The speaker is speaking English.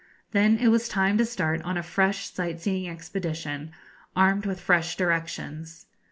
Then it was time to start on a fresh sight seeing expedition, armed with fresh directions.